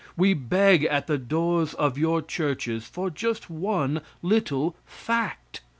We beg at the doors of your churches for just one little fact.